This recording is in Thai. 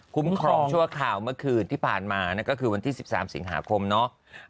คุ้มครองชั่วคราวเมื่อคืนที่ผ่านมานั่นก็คือวันที่๑๓สิงหาคมเนาะ